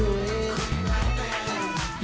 คุยไม่เป็น